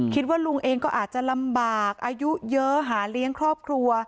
คิดว่าลุงเองก็อาจจะลำบากอายุเยอะหาเลี้ยงครอบครัว